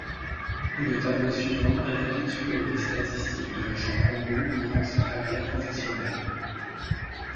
Le tableau suivant récapitule les statistiques de Jean Combot durant sa carrière professionnelle.